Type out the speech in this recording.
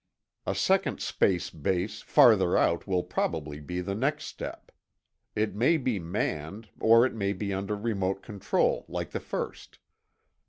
A second space base farther out will probably be the next step. It may be manned, or it may be under remote control like the first.